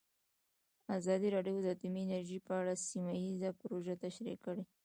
ازادي راډیو د اټومي انرژي په اړه سیمه ییزې پروژې تشریح کړې.